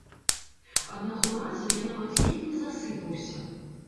Аднаго разу я нават ледзь не засыпаўся.